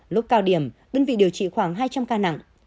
lúc cao điểm đơn vị điều trị khoảng hai trăm linh ca nặng